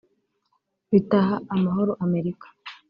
bitaha amahoro Amerika